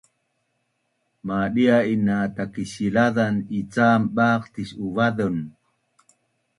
madia’in na Takisilazan ican baq tis’uvazun